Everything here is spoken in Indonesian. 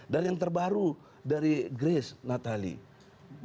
dan yang terbaru dari grace nathalie